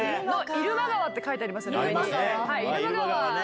入間川って書いてますよね。